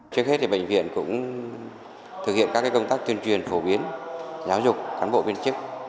trước hết thì bệnh viện cũng thực hiện các công tác tuyên truyền phổ biến giáo dục cán bộ viên chức